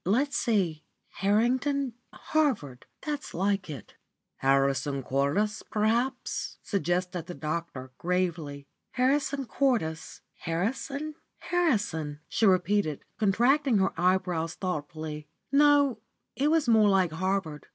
Let's see Harrington, Harvard. That's like it." "Harrison Cordis, perhaps," suggested the doctor, gravely. "Harrison Cordis? Harrison? Harrison?" she repeated, contracting her eyebrows thoughtfully; "no, it was more like Harvard.